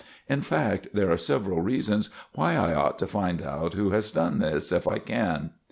In fact, there are several reasons why I ought to find out who has done this, if I can."